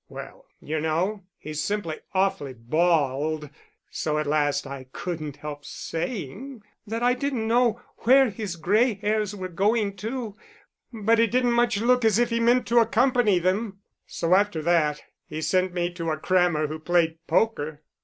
Well, you know, he's simply awfully bald; so at last I couldn't help saying that I didn't know where his grey hairs were going to, but it didn't much look as if he meant to accompany them. So, after that, he sent me to a crammer who played poker.